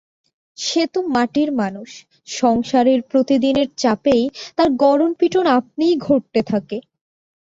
সে তো মাটির মানুষ, সংসারের প্রতিদিনের চাপেই তার গড়নপিটোন আপনিই ঘটতে থাকে।